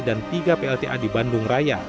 dan tiga plta di bandung raya